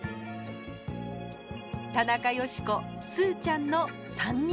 田中好子スーちゃんの３人。